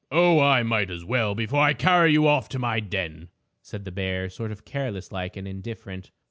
"Oh, I might as well, before I carry you off to my den," said the bear, sort of careless like and indifferent.